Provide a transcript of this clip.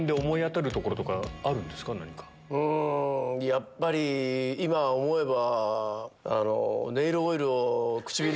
やっぱり今思えば。